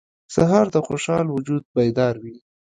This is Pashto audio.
سهار د خوشحال وجود بیداروي.